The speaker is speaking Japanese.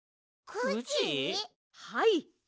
はい。